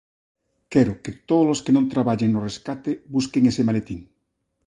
Quero que todos os que non traballen no rescate busquen ese maletín.